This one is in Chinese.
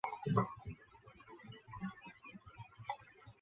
婆罗门教奉行种姓制度。